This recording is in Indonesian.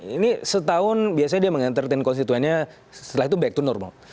ini setahun biasanya dia meng entertain konstituennya setelah itu back to normal